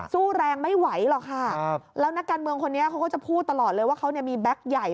สู้แรงไม่ไหวหรอกค่ะแล้วนักการเมืองคนนี้เขาก็จะพูดตลอดเลยว่าเขามีแบ็คใหญ่